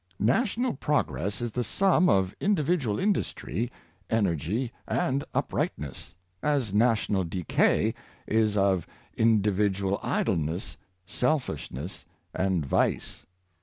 National progress is the sum of individual industry, energy , and uprightness, as national decay is of individ ual idleness, selfishness, and vice.